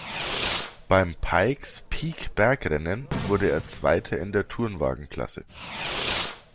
Beim Pikes Peak-Bergrennen wurde er Zweiter in der Tourenwagen-Klasse.